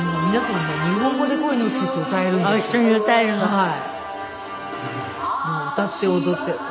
はい。